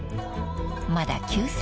［まだ９歳。